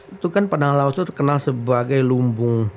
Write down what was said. itu kan padang laut itu terkenal sebagai lumbung